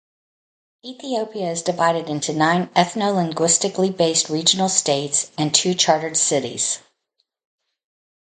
Ethiopia is divided into nine ethno-linguistically based regional states and two chartered cities.